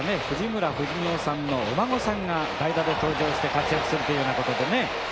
藤村富美男さんのお孫さんが代打で登場して活躍するというようなことでね